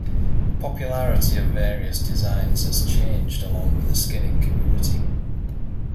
The popularity of various designs has changed along with the skinning community.